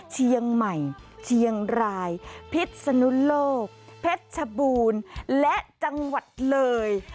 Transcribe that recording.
เชียงใหม่เชียงรายพิษสนุโลกเพชรชบูรณ์และจังหวัดเลย